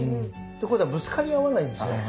ということはぶつかり合わないんですね。